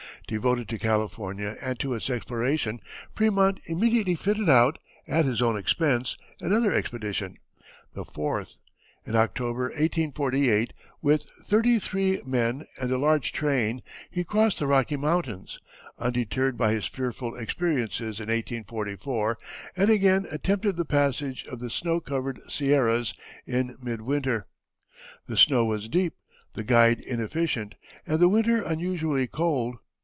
Devoted to California and to its exploration Frémont immediately fitted out, at his own expense, another expedition, the fourth. In October, 1848, with thirty three men and a large train he crossed the Rocky Mountains, undeterred by his fearful experiences in 1844, and again attempted the passage of the snow covered Sierras in mid winter. The snow was deep, the guide inefficient, and the winter unusually cold.